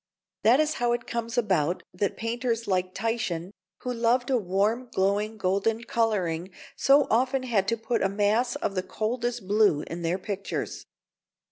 That is how it comes about that painters like Titian, who loved a warm, glowing, golden colouring, so often had to put a mass of the coldest blue in their pictures.